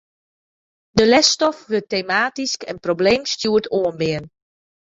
De lesstof wurdt tematysk en probleemstjoerd oanbean.